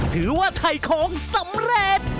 ถือว่าไถของสำเร็จ